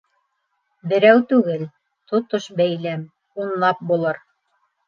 Берәү түгел, тотош бәйләм, унлап булыр.